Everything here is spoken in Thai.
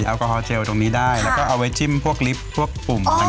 อ่าแล้วมีอะไรอีกคะ